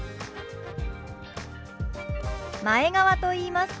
前川と言います。